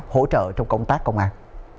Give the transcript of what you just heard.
hỗ trợ trong công tác công an